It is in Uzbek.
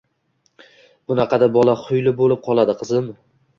Bunaqada bola xuyli bo‘lib qoladi, qizim.